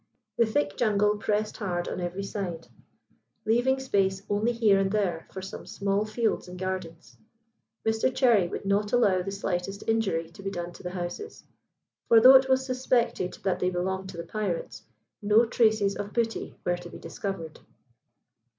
The thick jungle pressed hard on every side, leaving space only here and there for some small fields and gardens. Mr Cherry would not allow the slightest injury to be done to the houses; for though it was suspected that they belonged to the pirates, no traces of booty were to be discovered.